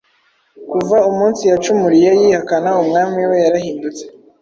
Kuva umunsi yacumuriye yihakana Umwami we yarahindutse.